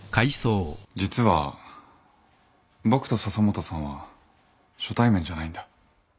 実は僕と笹本さんは初対面じゃないんだ